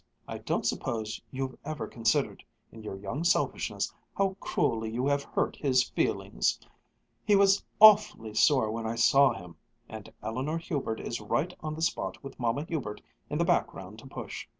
I don't suppose you've ever considered, in your young selfishness, how cruelly you have hurt his feelings! He was awfully sore when I saw him. And Eleanor Hubert is right on the spot with Mamma Hubert in the background to push."